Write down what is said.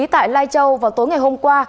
tại lai châu vào tối ngày hôm qua